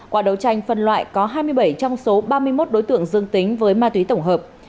qua đấu tranh phân loại có hai mươi bảy trong số ba mươi một đối tượng dương tính với ma túy tổng hợp